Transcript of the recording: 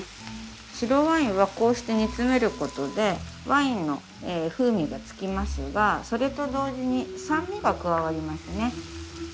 白ワインはこうして煮詰めることでワインの風味がつきますがそれと同時に酸味が加わりますね。